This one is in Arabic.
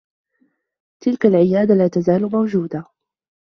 تلك العيادة لا تزال موجودة.